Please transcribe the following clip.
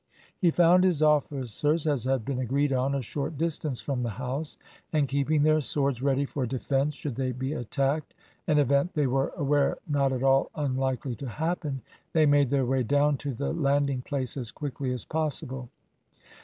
He found his officers, as had been agreed on, a short distance from the house, and, keeping their swords ready for defence should they be attacked, an event they were aware not at all unlikely to happen, they made their way down to the landing place as quickly as possible.